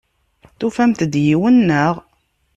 Tufamt-d yiwen, naɣ?